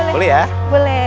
boleh boleh boleh